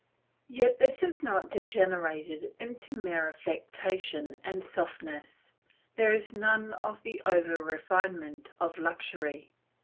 Yet this has not degenerated into mere affectation and softness; there is none of the over refinement of luxury.